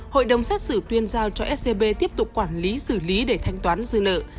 hội đồng xét xử tuyên giao cho scb tiếp tục quản lý xử lý để thanh toán dư nợ